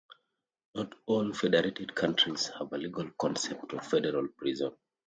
Not all federated countries have a legal concept of "federal prison".